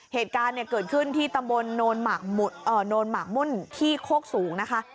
เหตุการณ์เกิดขึ้นที่ตำบลโนนหมากมุ่นที่โคกสูงนะคะ